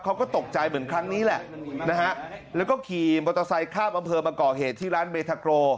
เขาก็ตกใจเหมือนครั้งนี้แหละนะฮะแล้วก็ขี่มอเตอร์ไซค์ข้ามอำเภอมาก่อเหตุที่ร้านเบทาโก